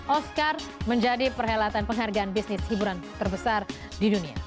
oscar menjadi perhelatan penghargaan bisnis hiburan terbesar di dunia